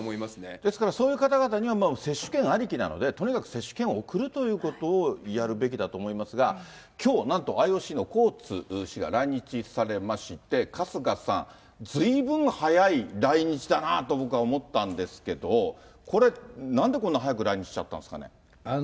ですからそういう方々には接種券ありきなので、とにかく接種券を送るということをやるべきだと思いますが、きょうなんと、ＩＯＣのコーツ氏が来日されまして、春日さん、ずいぶん早い来日だなと僕は思ったんですけど、これ、なんでこんな早く来日しちゃったんですかね。